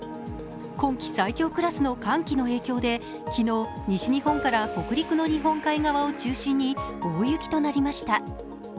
今季最強クラスの寒気の影響で昨日西日本から北陸の日本海側を中心に大雪となりました。